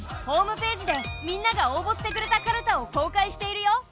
ホームページでみんなが応ぼしてくれたかるたを公開しているよ。